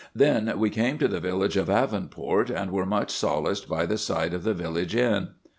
"Then we came to the village of Avonport, and were much solaced by the sight of the village inn.